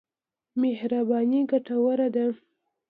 مهرباني ګټوره ده.